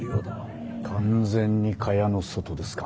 完全に蚊帳の外ですか。